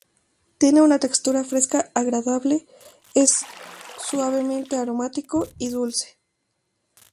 Tiene una textura fresca agradable y es suavemente aromático y dulce.